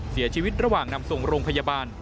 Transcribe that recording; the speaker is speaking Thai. เสียชีวิตระหว่างนำส่งโรงพยาบาล